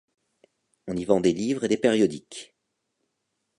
On y vend des livres et des périodiques.